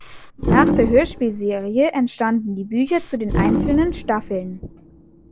Nach der Hörspielserie entstanden die Bücher zu den einzelnen Staffeln.